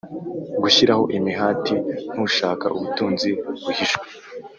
gushyiraho imihati nk ushaka ubutunzi buhishwe